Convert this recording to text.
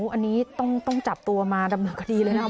อันนี้ต้องจับตัวมาดำเนินคดีเลยนะครับ